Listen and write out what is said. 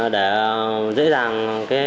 để dễ dàng